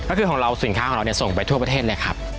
ก็คือของเราสินค้าของเราส่งไปทั่วประเทศเลยครับ